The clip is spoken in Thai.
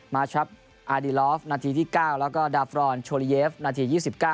มาช็อปอาร์ดีลอฟนาทีที่๙แล้วก็ดาฟรอนโชลิเยฟนาที๒๙